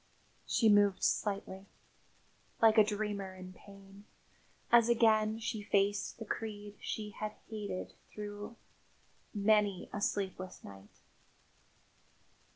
She moved slightly, like a dreamer in pain, as again she faced the creed she had hated through many a sleepless night.